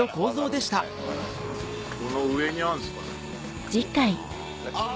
この上にあるんですかね？